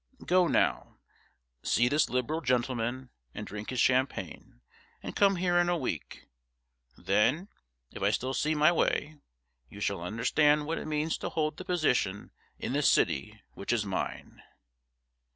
Go now. See this liberal gentleman, and drink his champagne. And come here in a week. Then, if I still see my way, you shall understand what it means to hold the position in the City which is mine.'